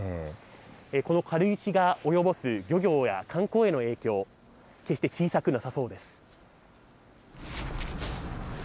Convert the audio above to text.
この軽石が及ぼす漁業や観光への影響、決して小さくなさそうです。